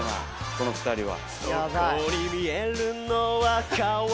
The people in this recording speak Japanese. この２人は。